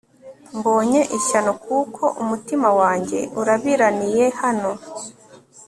mbonye ishyano kuko umutima wanjye urabiraniye hano